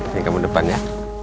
sini kamu depan ya